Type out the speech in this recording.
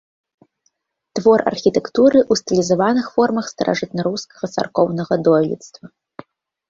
Твор архітэктуры ў стылізаваных формах старажытнарускага царкоўнага дойлідства.